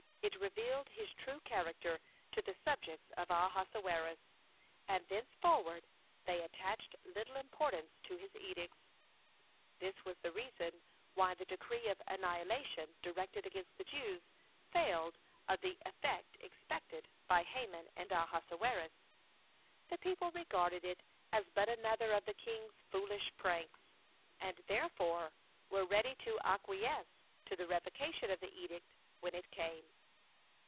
It revealed his true character to the subjects of Ahasuerus, and thenceforward they attached little importance to his edicts. This was the reason why the decree of annihilation directed against the Jews failed of the effect expected by Haman and Ahasuerus. The people regarded it as but another of the king's foolish pranks, and therefore were ready to acquiesce in the revocation of the edict when it came.